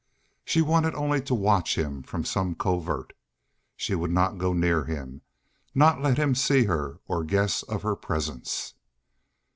She wanted only to watch him from some covert. She would not go near him, not let him see her or guess of her presence.